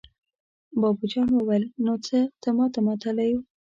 بابو جان وويل: نو څه ته ماتله يو!